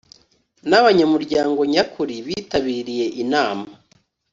n abanyamuryango nyakuri bitabiriye Inama